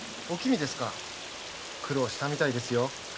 おきみですか苦労したみたいですよ。